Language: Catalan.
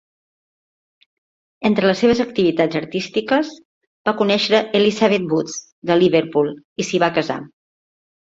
Entre les seves activitats artístiques, va conèixer Elizabeth Wood de Liverpool i s'hi va casar.